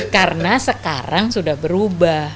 karena sekarang sudah berubah